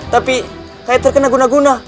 tapi kayak terkena guna guna